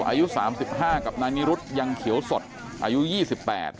อายุสามสิบห้ากับนายนิรุธยังเขียวสดอายุยี่สิบแปด